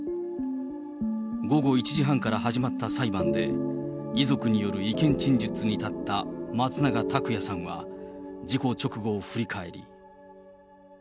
午後１時半から始まった裁判で、遺族による意見陳述に立った松永拓也さんは、事故直後を振り返り。